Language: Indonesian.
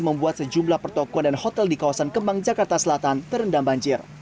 membuat sejumlah pertokohan dan hotel di kawasan kemang jakarta selatan terendam banjir